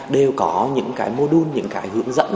đều có những cái mô đun những cái hướng dẫn